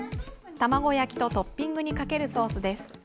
卵焼きとトッピングにかけるソースです。